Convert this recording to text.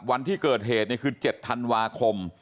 วันที่เกิดเหตุคือ๗ธันวาคม